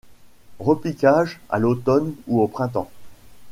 Repiquage à l'automne ou au printemps.